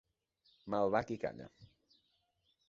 Mal va qui calla.